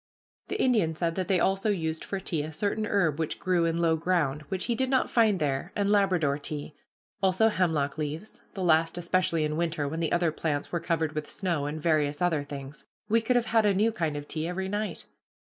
The Indian said that they also used for tea a certain herb which grew in low ground, which he did not find there, and Labrador tea; also hemlock leaves, the last especially in winter when the other plants were covered with snow; and various other things. We could have had a new kind of tea every night.